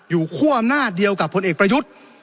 คั่วอำนาจเดียวกับผลเอกประยุทธ์